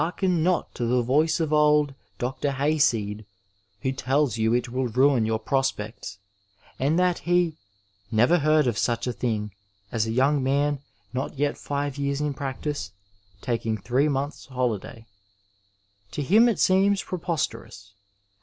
434 Digitized by VjOOQIC THE STUDENT LIFE not to the voice of old " Dr. Hayseed," who tells you it will ruin your prospects, and that he "never heard of such a thing " as a young man, not yet five years in practice, taking three months* holiday. To him it seems preposterous.